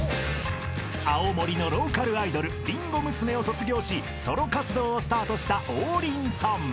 ［青森のローカルアイドルりんご娘を卒業しソロ活動をスタートした王林さん］